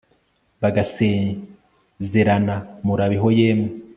bagasezerana murabeho yemwe